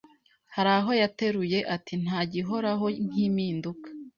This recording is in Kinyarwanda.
hari aho yateruye ati Nta gihoraho nk’impinduka